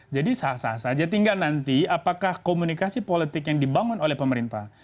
jadi kita tinggal nanti apakah komunikasi politik yang dibangun oleh pemerintah